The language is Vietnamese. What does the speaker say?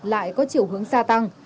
lại có chiều hướng xa tăng